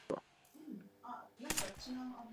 Maybach was Chief Designer.